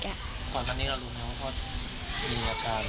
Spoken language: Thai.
ตอนแรกนี้เรารู้ไหมว่าพ่อมีอาการ